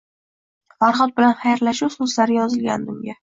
Farhod bilan xayrlashuv so`zlari yozilgandi unga